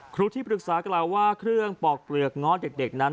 ครูที่ปรึกษากล่าวว่าเครื่องปอกเปลือกง้อเด็กนั้น